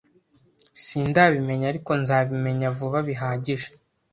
Sindabimenya, ariko nzabimenya vuba bihagije